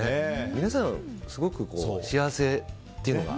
皆さん、すごく幸せというのが。